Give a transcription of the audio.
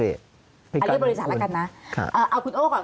เรียกว่าบริษัทแล้วกันนะเอาคุณโอ้ก่อน